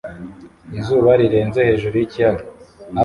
Izuba rirenze hejuru y'ikiyaga